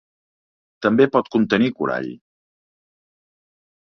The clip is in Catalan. També pot contenir corall.